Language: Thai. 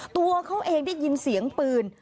ตัวเขาเองได้ยินเสียงปืน